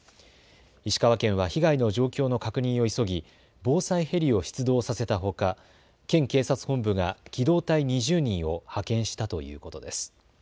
石川県は被害の状況の確認を急ぎ防災ヘリを出動させたほか県警察本部が機動隊２０人を派遣したということです。